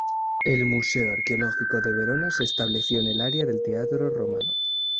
El museo arqueológico de Verona se estableció en el área del teatro romano.